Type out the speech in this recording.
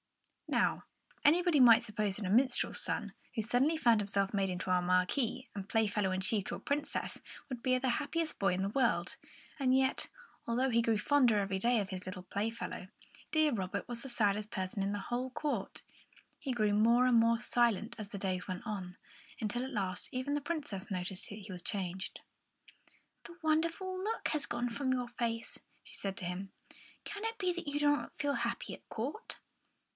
Now, anybody might suppose that a minstrel's son, who suddenly found himself made into a Marquis and Playfellow in chief to a Princess, would be the happiest boy in the world. And yet, although he grew fonder every day of his little playfellow, deaf Robert was the saddest person in the whole court. He grew more and more silent as the days went on, until at last even the Princess noticed that he was changed. "The wonderful look has gone from your face," she said to him. "Can it be that you do not feel happy at court?"